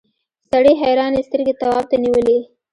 سړي حیرانې سترګې تواب ته نیولې.